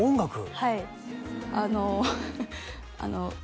はい